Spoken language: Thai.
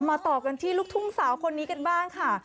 ต่อกันที่ลูกทุ่งสาวคนนี้กันบ้างค่ะ